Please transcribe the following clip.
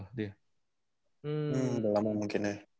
hmm udah lama mungkin ya